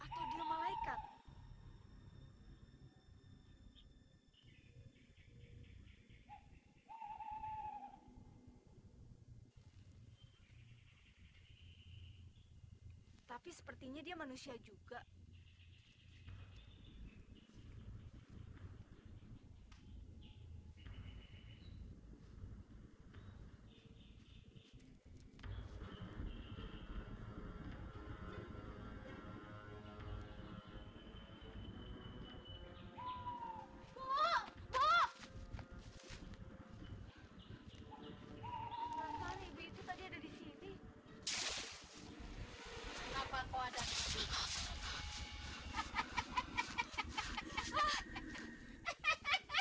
kalau kiki nggak mau kan nggak apa apa kan bu